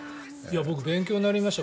僕、勉強になりました